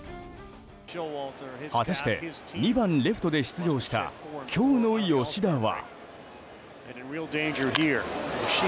果たして、２番レフトで出場した今日の吉田は。